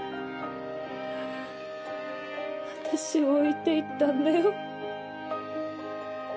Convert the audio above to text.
私を置いて行ったんだよ。